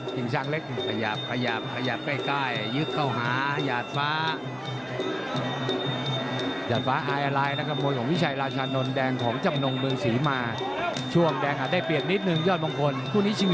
ช่างเล็กขยับขยับใกล้ยึดเข้าหาหยาดฟ้า